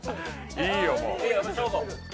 いいよ、もう。